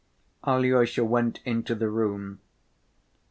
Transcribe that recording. Alyosha went into the room.